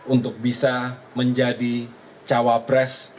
untuk bisa menjadi cawabres